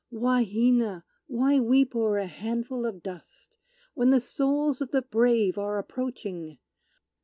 "Wahina, why weep o'er a handful of dust, When the souls of the brave are approaching?